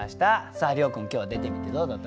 さあ諒君今日は出てみてどうだったでしょうか？